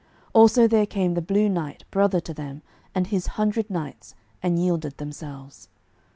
Also there came the Blue Knight, brother to them, and his hundred knights, and yielded themselves.